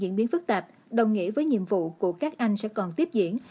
diễn biến phức tạp đồng nghĩa với nhiệm vụ của các anh sẽ còn tiếp diễn